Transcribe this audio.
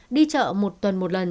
đi chợ một tuần một lần